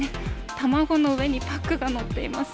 卵の上にパックがのっています。